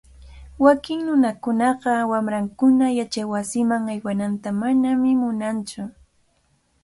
Wakin nunakunaqa wamrankuna yachaywasiman aywananta manami munantsu.